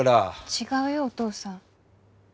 違うよお父さん。